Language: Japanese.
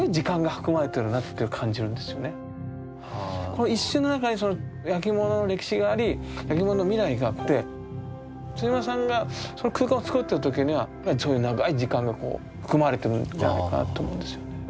この一瞬の中にその焼き物の歴史があり焼き物の未来があって村さんがその空間を作ってる時にはそういう長い時間が含まれてるんじゃないかなと思うんですよね。